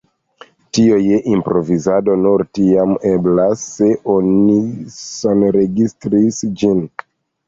Tio je improvizado nur tiam eblas, se oni sonregistris ĝin.